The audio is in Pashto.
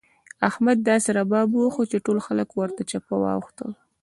احمد داسې رباب وواهه چې ټول خلګ ورته چپه واوښتل.